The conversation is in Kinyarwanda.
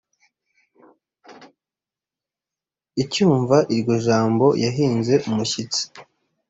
acyumva iryo jambo yahinze umushyitsi